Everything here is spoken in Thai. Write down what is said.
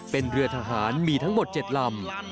เป็นเรือทหารมีทั้งหมด๗ลำ